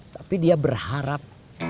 tapi dia berharap